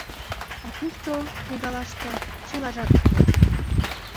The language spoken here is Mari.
А тушто, книгалаште, чылажат ыле.